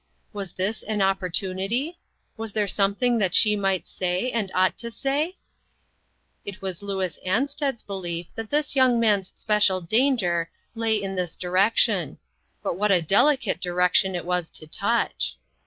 Was this an opportunit}' ? Was there something that she might say, and ought to say ? It was Louis Ansted's belief that this young man's special danger lay in this di 26O INTERRUPTED. section ; but what a delicate direction it was to touch